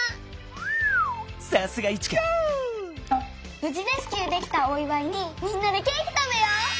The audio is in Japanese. ぶじレスキューできたおいわいにみんなでケーキたべよう。